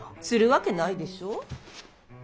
するわけないでしょう。